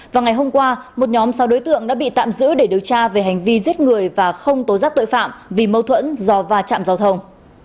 và ngày hôm qua một nhóm sau đối tượng đã bị tạm giữ để điều tra về hành vi giết người và không tố giác tội phạm vì mâu thuẫn do va chạm giao thông